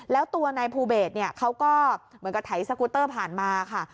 แล้วตัวนายภูเบสเขาก็เหมือนกับไถสกูเตอร์ผ่านมาค่ะ